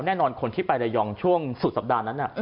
คนที่ไประยองช่วงสุดสัปดาห์นั้น